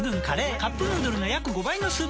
「カップヌードル」の約５倍のスープコスト！